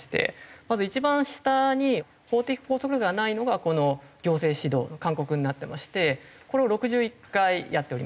まず一番下に法的拘束力がないのがこの行政指導の勧告になってましてこれを６１回やっております。